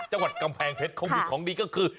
จังหวัดกำแพงเพ็ดโควิดของนี่ก็คือ